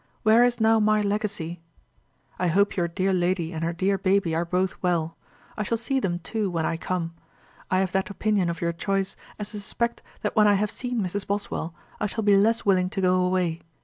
Where is now my legacy? 'I hope your dear lady and her dear baby are both well. I shall see them too when I come; and I have that opinion of your choice, as to suspect that when I have seen Mrs. Boswell, I shall be less willing to go away.